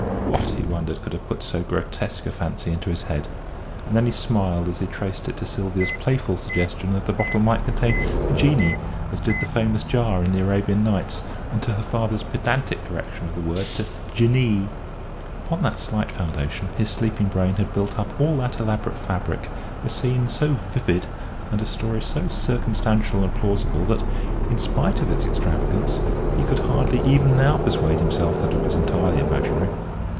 What, he wondered, could have put so grotesque a fancy into his head? and then he smiled as he traced it to Sylvia's playful suggestion that the bottle might contain a "genie," as did the famous jar in the "Arabian Nights," and to her father's pedantic correction of the word to "Jinnee." Upon that slight foundation his sleeping brain had built up all that elaborate fabric a scene so vivid and a story so circumstantial and plausible that, in spite of its extravagance, he could hardly even now persuade himself that it was entirely imaginary.